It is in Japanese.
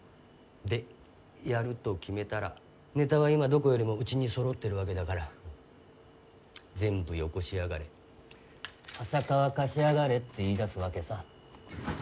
でやると決めたらネタは今どこよりもうちにそろってるわけだから全部よこしやがれ浅川貸しやがれって言いだすわけさ。